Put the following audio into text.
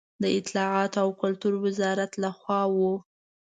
د اطلاعاتو او کلتور وزارت له خوا و.